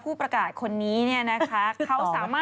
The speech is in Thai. ผู้ประกาศคนนี้เนี่ยนะคะ